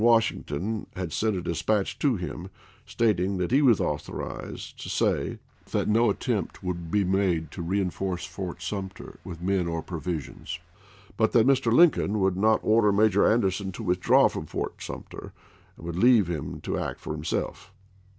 Washington, had sent a dispatch to him, stating that he was authorized to say that no attempt would be made to reenforce Fort Sumter with men or provisions, but that Mr. Lincoln would not order Major Anderson to withdraw from Fort Sum ter, and would leave him to act for himself."